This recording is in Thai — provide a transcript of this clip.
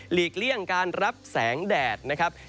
เลี่ยงการรับแสงแดดนะครับ